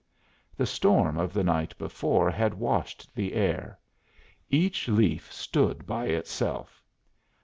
The storm of the night before had washed the air. Each leaf stood by itself.